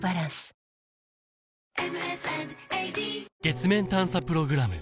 月面探査プログラム